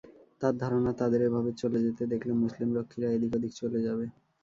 তার ধারণা, তাদের এভাবে চলে যেতে দেখলে মুসলিম রক্ষীরা এদিক-ওদিক চলে যাবে।